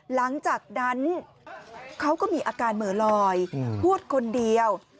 หลังจากนั้นเขาก็มีอาการเหมือลอยพูดคนเดียว